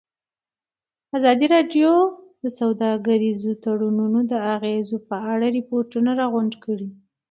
ازادي راډیو د سوداګریز تړونونه د اغېزو په اړه ریپوټونه راغونډ کړي.